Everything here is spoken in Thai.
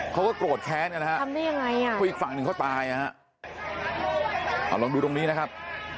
เขาก็โกรธแค้นกันนะฮะทำได้ยังไงอ่ะเพราะอีกฝั่งหนึ่งเขาตายนะฮะเอาลองดูตรงนี้นะครับ